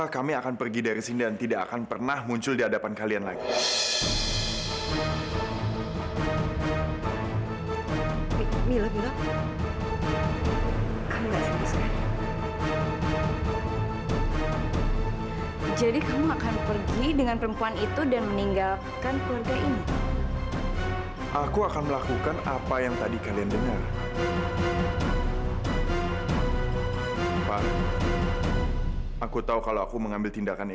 sampai jumpa di video selanjutnya